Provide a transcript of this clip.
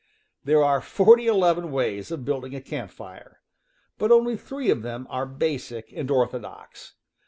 There are forty eleven ways of building a camp fire; but only three of them are basic and orthodox.